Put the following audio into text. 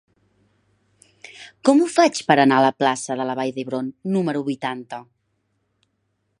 Com ho faig per anar a la plaça de la Vall d'Hebron número vuitanta?